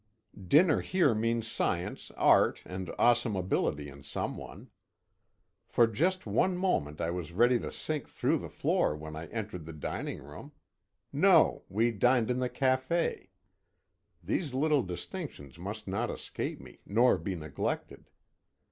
Dinner here means science, art, and awesome ability in some one. For just one moment I was ready to sink through the floor when I entered the dining room no, we dined in the café. (These little distinctions must not escape me, nor be neglected.)